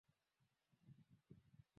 Kabla ya kuanzishwa mkoa mpya wa Geita